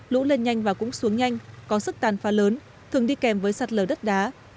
lũ lên nhanh và cũng xuống nhanh có sức tàn phá lớn thường đi kèm với sạt lở đất đá